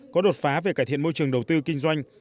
có đột phá về cải thiện môi trường đầu tư kinh doanh